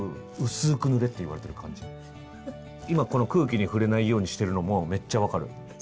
今この空気に触れないようにしてるのもめっちゃ分かる。